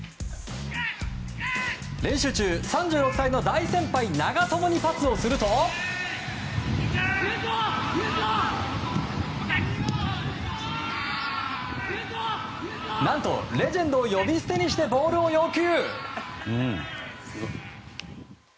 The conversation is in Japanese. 練習中、３６歳の大先輩長友にパスをすると。何とレジェンドを呼び捨てにしてボールを要求！